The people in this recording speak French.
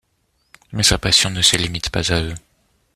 Mais sa passion ne se limite pas à eux.